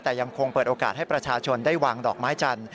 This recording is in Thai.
แต่ยังคงเปิดโอกาสให้ประชาชนได้วางดอกไม้จันทร์